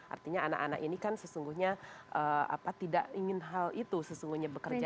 artinya anak anak ini kan sesungguhnya eee apa tidak ingin hal itu sesungguhnya bekerja di situ